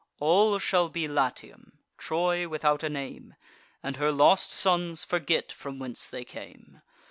All shall be Latium; Troy without a name; And her lost sons forget from whence they came.